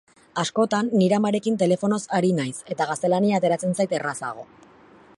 Askotan, nire amarekin telefonoz ari naiz eta gaztelania ateratzen zait errazago.